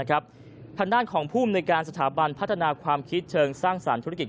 ทางด้านของภูมิในการสถาบันพัฒนาความคิดเชิงสร้างสรรค์ธุรกิจ